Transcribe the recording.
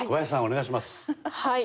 はい。